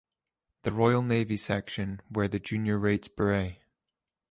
The Royal Navy Section wear the junior rates beret.